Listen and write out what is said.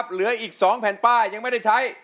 เหลืออีก๒แผ่นป้ายยังไม่ได้ใช้